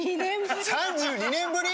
３２年ぶり！？